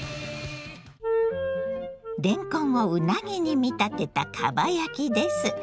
れんこんをうなぎに見立てたかば焼きです。